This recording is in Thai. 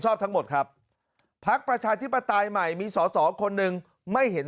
ทั้งหมดครับพักประชาธิปไตยใหม่มีสอสอคนหนึ่งไม่เห็น